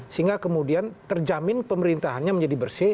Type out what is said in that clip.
sehingga kemudian terjamin pemerintahannya menjadi bersih